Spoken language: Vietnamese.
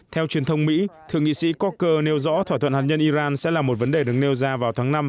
theo truyền thông mỹ thượng nghị sĩ coker nêu rõ thỏa thuận hạt nhân iran sẽ là một vấn đề được nêu ra vào tháng năm